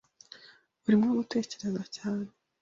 Urimo gutekereza cyane.